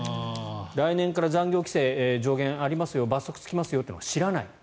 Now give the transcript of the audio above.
来年から残業規制上限がありますよ罰則がつきますよというのを知らない。